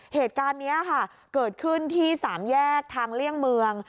เหตุการณ์นี้ค่ะเกิดขึ้นที่สามแยกทางเลี่ยงเมือง